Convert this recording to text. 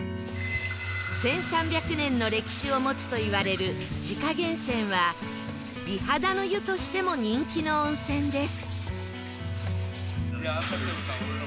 １３００年の歴史を持つといわれる自家源泉は美肌の湯としても人気の温泉です